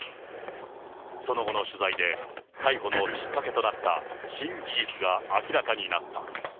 その後の取材で、逮捕のきっかけとなった新事実が明らかになった。